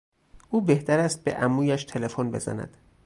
او بهتر است به عمویش تلفن بزند.